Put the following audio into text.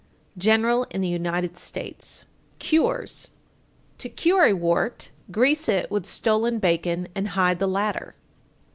General in the United States. CURES. 883. To cure a wart, grease it with stolen bacon, and hide the latter.